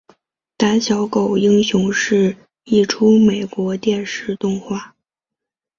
胆小狗英雄是一出美国电视动画。